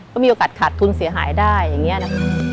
ก็มีโอกาสขาดทุนเสียหายได้อย่างนี้นะ